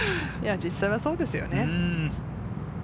実際は、そうですよね。